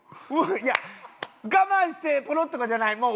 いや我慢してポロッとかじゃない。